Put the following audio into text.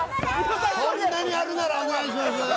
そんなにあるならお願いします